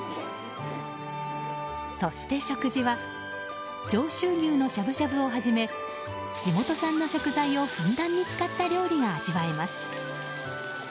そして、食事は上州牛のしゃぶしゃぶをはじめ地元産の食材をふんだんに使った料理が味わえます。